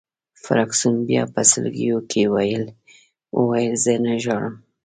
فرګوسن بیا په سلګیو کي وویل: زه نه ژاړم.